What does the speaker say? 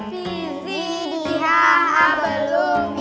fizi diha'a belumi